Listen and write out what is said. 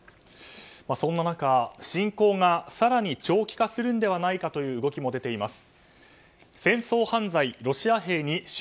そんな中、侵攻が更に長期化するのではないかという動きも出ています。